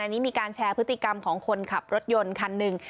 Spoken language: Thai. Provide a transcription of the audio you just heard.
อันนี้มีการแชร์พฤติกรรมของคนขับรถยนต์คันหนึ่ง